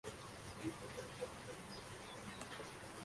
Profesor de Filosofía en el de Santa Cruz, de Granada.